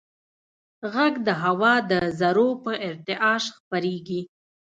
غږ د هوا د ذرّو په ارتعاش خپرېږي.